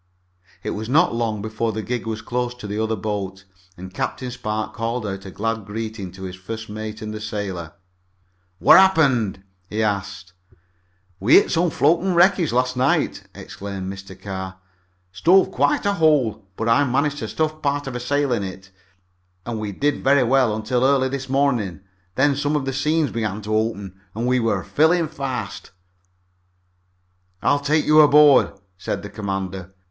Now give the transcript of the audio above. It was not long before the gig was close to the other boat, and Captain Spark called out a glad greeting to his first mate and the sailor. "What happened?" he asked. "We hit some floating wreckage last night," explained Mr. Carr. "Stove quite a hole, but I managed to stuff part of a sail in it, and we did very well until early this morning. Then some of the seams began to open, and we're filling fast." "I'll take you aboard," said the commander.